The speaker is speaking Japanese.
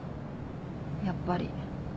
やっぱり。